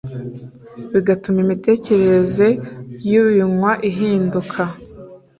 bigatuma imitekerereze yu binywa ihinduka